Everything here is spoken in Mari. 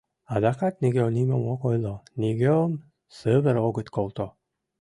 Адакат нигӧ нимом ок ойло, нигӧм сывыр огыт колто.